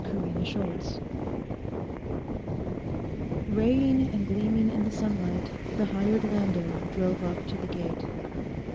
CHAPTER FIFTEEN Raying and gleaming in the sunlight the hired landau drove up to the gate.